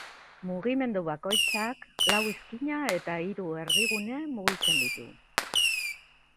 Mugimendu bakoitzak, lau izkina eta hiru erdigune mugitzen ditu.